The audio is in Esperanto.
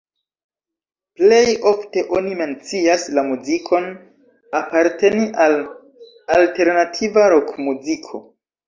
Plej ofte oni mencias la muzikon aparteni al alternativa rokmuziko.